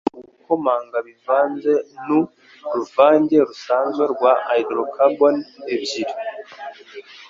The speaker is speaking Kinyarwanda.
bwo kurwanya gukomanga bivanze nu ruvange rusanzwe rwa hydrocarbone ebyiri